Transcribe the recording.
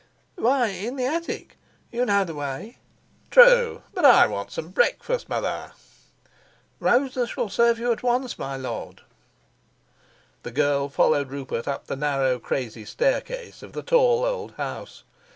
"Why, in the attic. You know the way." "True. But I want some breakfast, mother." "Rosa shall serve you at once, my lord." The girl followed Rupert up the narrow crazy staircase of the tall old house.